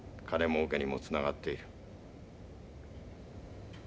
金もうけにもつながっている。